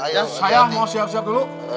ya saya mau siap siap dulu